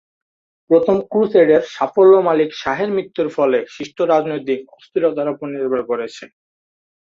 প্রথম ক্রুসেডের সাফল্য মালিক শাহের মৃত্যুর ফলে সৃষ্ট রাজনৈতিক অস্থিরতার উপর নির্ভর করেছে।